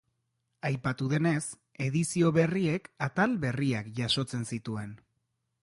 Aipatu denez, edizio berriek atal berriak jasotzen zituen.